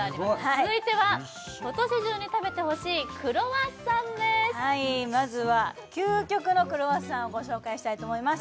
続いては今年中に食べてほしいクロワッサンですまずは究極のクロワッサンをご紹介したいと思います